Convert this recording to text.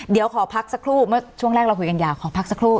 เดี๋ยวขอพักสักครู่เมื่อช่วงแรกเราคุยกันยาวขอพักสักครู่